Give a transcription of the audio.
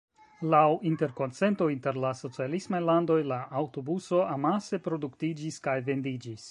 Laŭ interkonsento inter la socialismaj landoj, la aŭtobuso amase produktiĝis kaj vendiĝis.